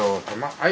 はい。